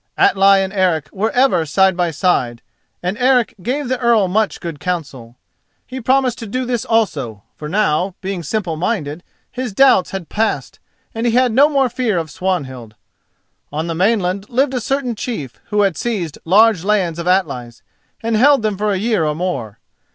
Atli and Eric were ever side by side, and Eric gave the Earl much good counsel. He promised to do this also, for now, being simple minded, his doubts had passed and he had no more fear of Swanhild. On the mainland lived a certain chief who had seized large lands of Atli's, and held them for a year or more.